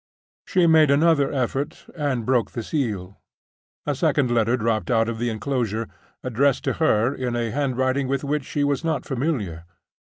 She made another effort, and broke the seal. A second letter dropped out of the inclosure, addressed to her in a handwriting with which she was not familiar.